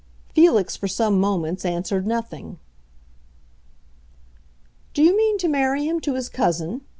Felix for some moments answered nothing. "Do you mean to marry him to his cousin?"